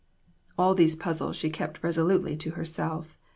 All these puzzles she kept resolutely to herself.